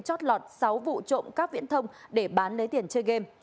chót lọt sáu vụ trộm cắp viễn thông để bán lấy tiền chơi game